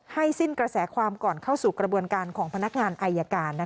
สิ้นกระแสความก่อนเข้าสู่กระบวนการของพนักงานอายการ